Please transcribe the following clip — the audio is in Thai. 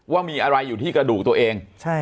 ว่ามีอะไรอยู่ที่กระดูกตัวเอง